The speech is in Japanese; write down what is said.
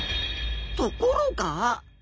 ところが！